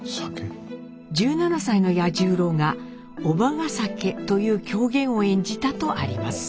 １７歳の八十郎が「伯母ヶ酒」という狂言を演じたとあります。